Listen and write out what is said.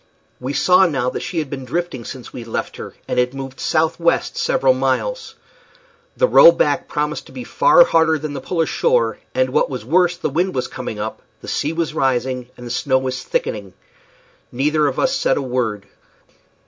We saw now that she had been drifting since we left her, and had moved southwest several miles. The row back promised to be far harder than the pull ashore, and, what was worse, the wind was coming up, the sea was rising, and the snow was thickening. Neither of us said a word.